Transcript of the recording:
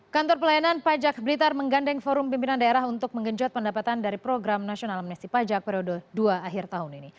kantor pelayanan pajak blitar menggandeng forum pimpinan daerah untuk menggenjot pendapatan dari program nasional amnesti pajak periode dua akhir tahun ini